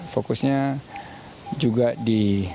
fokusnya juga di